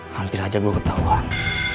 hampir aja gue ketahuan